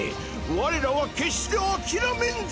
我らは決して諦めんぞ！